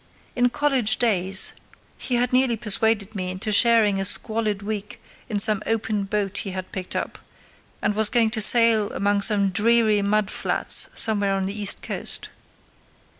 In college days he had nearly persuaded me into sharing a squalid week in some open boat he had picked up, and was going to sail among some dreary mudflats somewhere on the east coast.